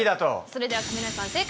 それでは亀梨さん。